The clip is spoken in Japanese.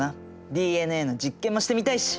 ＤＮＡの実験もしてみたいし。